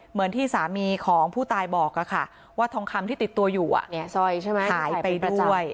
เหมือนที่สามีของผู้ตายบอกว่าทองคำที่ติดตัวอยู่หายไปด้วย